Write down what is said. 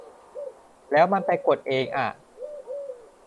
แล้วมันไปกดเองอ่ะ